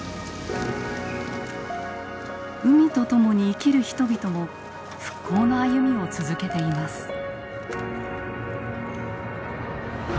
海と共に生きる人々も復興の歩みを続けています。